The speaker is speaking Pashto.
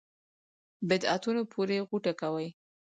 بدعتونو پورې غوټه کوي.